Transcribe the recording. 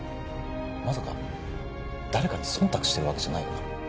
まさか誰かに忖度してるわけじゃないよな？